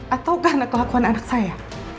atau karena kelakuan anak saya